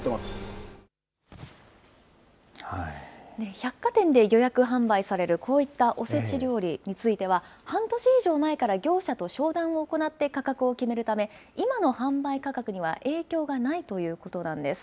百貨店で予約販売される、こういったおせち料理については、半年以上前から業者と商談を行って価格を決めるため、今の販売価格には影響がないということなんです。